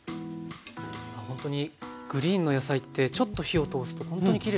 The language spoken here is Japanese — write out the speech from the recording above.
ほんとにグリーンの野菜ってちょっと火を通すとほんとにきれいになりますね。